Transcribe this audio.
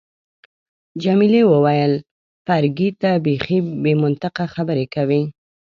جميلې وويل: فرګي، ته بیخي بې منطقه خبرې کوي.